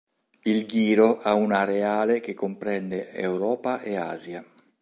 Il ghiro ha un areale che comprende Europa e Asia.